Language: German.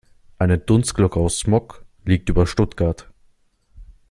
Eine Dunstglocke aus Smog liegt über Stuttgart.